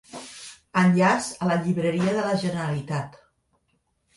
Enllaç a la Llibreria de la Generalitat.